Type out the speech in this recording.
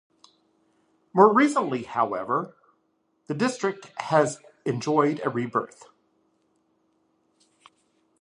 More recently, however, the district has enjoyed a rebirth.